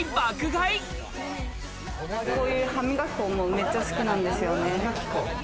こういう歯磨き粉のめっちゃ好きなんですよね。